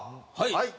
はい。